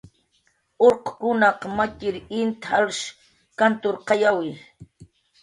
Urqkunaq matxir int jalsh kanturqayawi